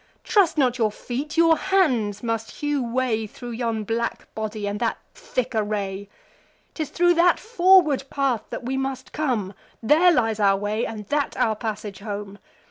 Trust not your feet: your hands must hew way Thro' yon black body, and that thick array: 'Tis thro' that forward path that we must come; There lies our way, and that our passage home.